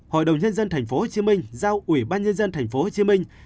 hội đồng nhân dân thành phố hồ chí minh giao ủy ban nhân dân thành phố hồ chí minh